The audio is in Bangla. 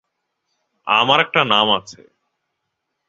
আমার একটা নাম আছে।